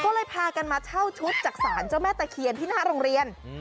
ก็เลยพากันมาเช่าชุดจากศาลเจ้าแม่ตะเคียนที่หน้าโรงเรียน